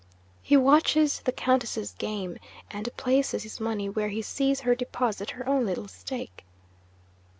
He watches the Countess's game, and places his money where he sees her deposit her own little stake.